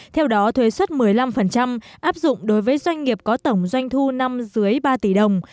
theo đó thuế xuất một mươi năm áp dụng đối với doanh nghiệp có tổng doanh thu năm dưới ba tỷ đồng